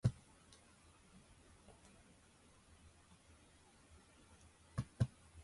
秋葉原